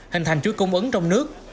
hình thành chuối cung ứng trong nước